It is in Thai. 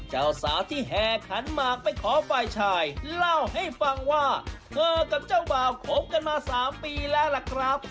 เจ้าสาวที่แห่ขันหมากไปขอฝ่ายชายเล่าให้ฟังว่าเธอกับเจ้าบ่าวคบกันมา๓ปีแล้วล่ะครับ